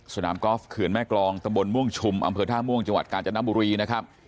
สนามกอล์ฟเขื่อนแม่กรองตำบลม่วงชุมอำเภอท่าม่วงจังหวัดกาญจนบุรีนะครับ